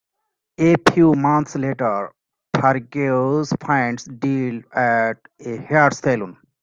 A few months later, Fergus finds Dil at a hair salon.